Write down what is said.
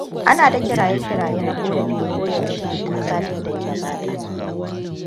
Ana ta kiraye-kiraye na korafi koyaushe tun satin da ya gabata.